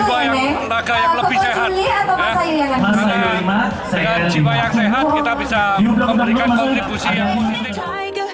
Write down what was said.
karena dengan jiwa yang sehat kita bisa memberikan kontribusi yang positif